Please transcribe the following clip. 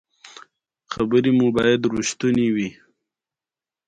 ازادي راډیو د د بیان آزادي په اړه ښوونیز پروګرامونه خپاره کړي.